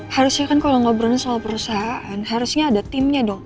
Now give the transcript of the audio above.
harusnya kan kalau ngobrolin soal perusahaan harusnya ada timnya dong